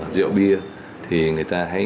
rượu bia thì người ta hãy